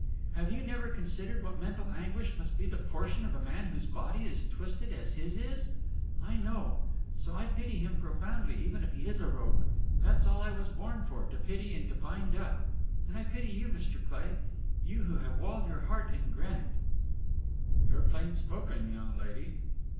"Have you never considered what mental anguish must be the portion of a man whose body is twisted as his is? I know. So I pity him profoundly, even if he is a rogue. That's all I was born for to pity and to bind up. And I pity you, Mr. Cleigh, you who have walled your heart in granite." "You're plain spoken, young lady."